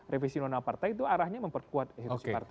revisi undang undang partai itu arahnya memperkuat institusi partai